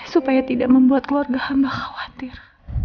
supaya tidak membuat keluarga hamba khawatir